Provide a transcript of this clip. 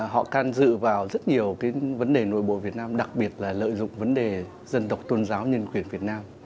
họ can dự vào rất nhiều cái vấn đề nội bộ việt nam đặc biệt là lợi dụng vấn đề dân tộc tôn giáo nhân quyền việt nam